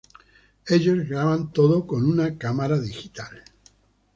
Ellos graban todo con una cámara digital.